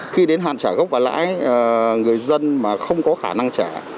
khi đến hạn trả gốc và lãi người dân mà không có khả năng trả